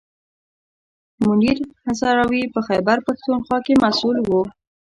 منیر هزاروي په خیبر پښتونخوا کې مسوول و.